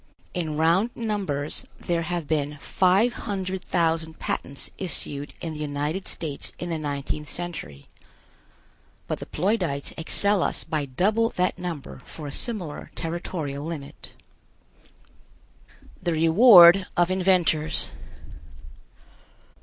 In round numbers, there have been five hundred thousand patents issued in the United States in the nineteenth century, but the Ploidites excel us by double that number for a similar territorial limit. THE REWARD OF INVENTORS.